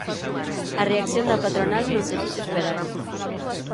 A reacción da patronal non se fixo esperar.